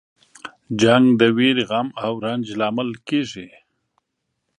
جنګ د ویرې، غم او رنج لامل کیږي.